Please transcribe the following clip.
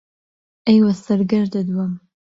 ئهی وه سهرگهردت وم